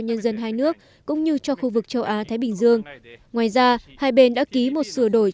nhân dân hai nước cũng như cho khu vực châu á thái bình dương ngoài ra hai bên đã ký một sửa đổi